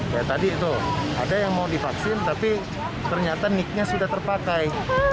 ya tadi itu ada yang mau divaksin tapi ternyata nicknya sudah terpakai